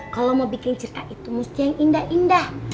kalau mau bikin cerita itu mesti yang indah indah